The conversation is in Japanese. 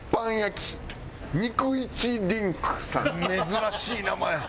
珍しい名前や。